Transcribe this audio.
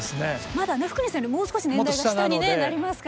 まだ福西さんよりもう少し年代が下にねなりますからね。